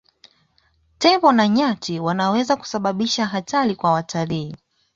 Tembo na nyati wanaweza kusababisha hatari kwa watalii